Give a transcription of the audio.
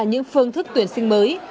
những phương thức tuyển sinh mới